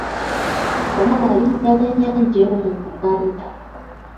Wamala linnya lya nnyanja emu mu Buganda.